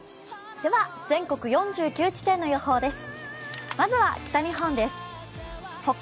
では全国４９地点の予報です。